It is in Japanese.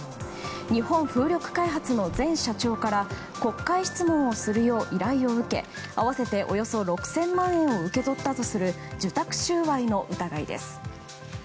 日本風力開発の前社長から国会質問をするよう依頼を受け合わせておよそ６０００万円を受け取ったとする受託収賄の疑いです。